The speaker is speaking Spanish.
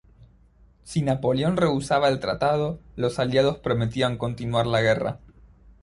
Si Napoleón rehusaba el tratado, los Aliados prometían continuar la guerra.